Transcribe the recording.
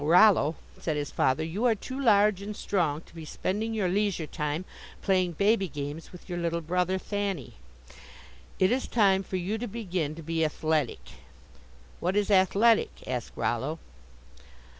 "Now, Rollo," said his father, "you are too large and strong to be spending your leisure time playing baby games with your little brother Thanny. It is time for you to begin to be athletic." "What is athletic?" asked Rollo.